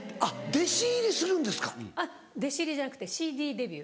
弟子入りじゃなくてＣＤデビュー。